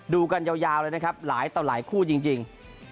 กันยาวเลยนะครับหลายต่อหลายคู่จริง